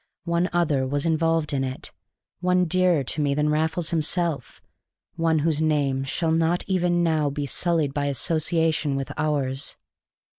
One other was involved in it, one dearer to me than Raffles himself, one whose name shall not even now be sullied by association with ours.